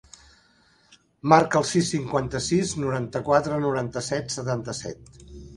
Marca el sis, cinquanta-sis, noranta-quatre, noranta-set, setanta-set.